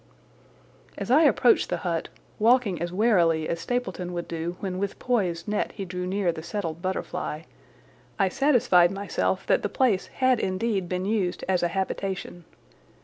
As I approached the hut, walking as warily as Stapleton would do when with poised net he drew near the settled butterfly, I satisfied myself that the place had indeed been used as a habitation.